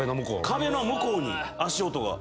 壁の向こうに足音が。